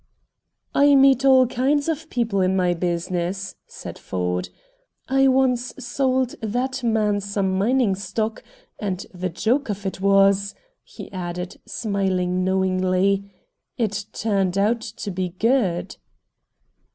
"I meet all kinds of people in my business," said Ford. "I once sold that man some mining stock, and the joke of it was," he added, smiling knowingly, "it turned out to be good."